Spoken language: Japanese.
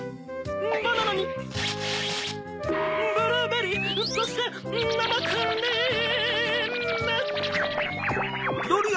バナナにブルーベリーそしてなまクリーム！